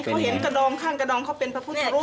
เขาเห็นกระดองข้างกระดองเขาเป็นพระพุทธรูป